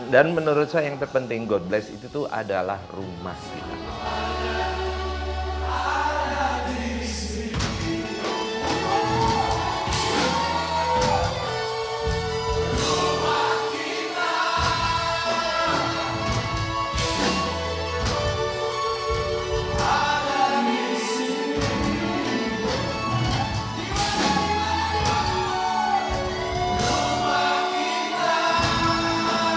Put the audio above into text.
dan menurut saya yang terpenting god bless itu adalah rumah kita